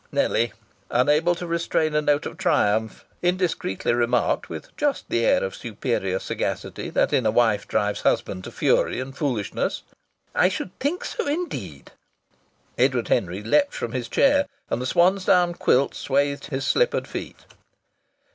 Nellie, unable to restrain a note of triumph, indiscreetly remarked, with just the air of superior sagacity that in a wife drives husbands to fury and to foolishness: "I should think so indeed!" Edward Henry leaped from his chair, and the swansdown quilt swathed his slippered feet.